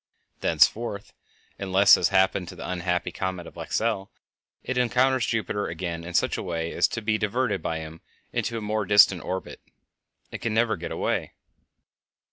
Thenceforth, unless, as happened to the unhappy comet of Lexell, it encounters Jupiter again in such a way as to be diverted by him into a more distant orbit, it can never get away.